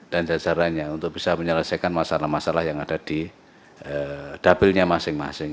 dan jajarannya untuk bisa menyelesaikan masalah masalah yang ada di dabilnya masing masing